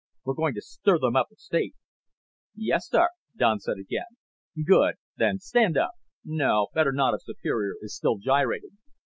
We're going to stir them up at State." "Yes, sir," Don said again. "Good. Then stand up. No, better not if Superior is still gyrating.